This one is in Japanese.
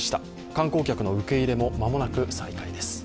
観光客の受け入れも間もなく再開です。